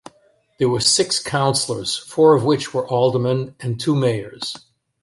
There were six councilors, four of which were aldermen and two mayors.